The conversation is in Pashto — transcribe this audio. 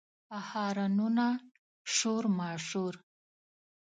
هارنونه، شور ماشور